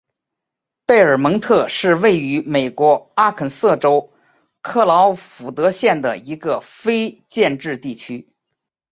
贝尔蒙特是位于美国阿肯色州克劳福德县的一个非建制地区。